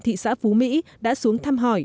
thị xã phú mỹ đã xuống thăm hỏi